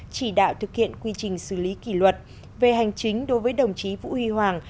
chỉ đạo thực hiện quy trình xử lý kỷ luật về hành chính đối với đồng chí vũ huy hoàng